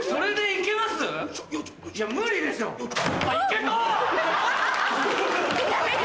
いけた！